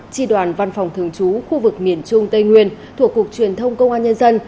tri đoàn văn phòng thường trú khu vực miền trung tây nguyên thuộc cục truyền thông công an nhân dân